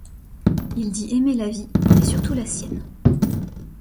Il dit aimer la vie, mais surtout la sienne.